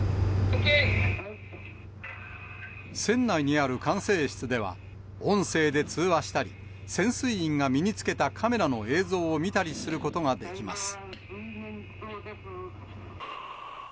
船内にある管制室では、音声で通話したり、潜水員が身につけたカメラの映像を見たりすることができます。